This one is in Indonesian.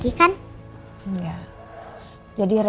jadi rena dirumah sama oma sama skara ya